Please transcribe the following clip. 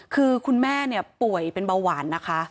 คือคุณแม่เนี่ยป่วยเป็นเบาหวานนะคะ